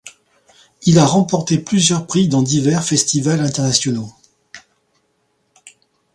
Il a remporté plusieurs prix dans divers festivals internationaux.